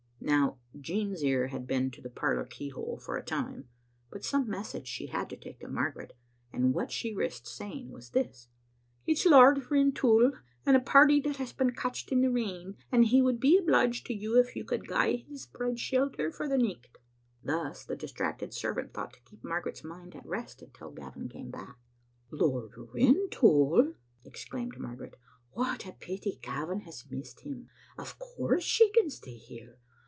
Now, Jean's ear had been to the parlor keyhole for a time, but some message she had to take to Margaret, and what she risked saying was this: " It's Lord Rintoul and a party that has been catched in the rain, and he would be obliged to you if you could gie his bride shelter for the nicht." Thus the distracted servant thought to keep Mar garet's mind at rest until Gavin came back. " Lord Rintoul !" exclaimed Margaret. " What a pity Gavin has missed him. Of course she can stay here.